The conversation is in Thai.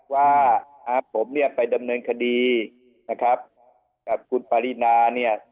ว่าผมเนี่ยไปดำเนินคดีนะครับกับคุณปรินาเนี่ย